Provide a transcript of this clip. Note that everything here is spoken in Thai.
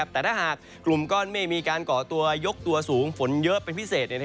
แต่ถ้าหากกลุ่มก้อนเมฆมีการก่อตัวยกตัวสูงฝนเยอะเป็นพิเศษ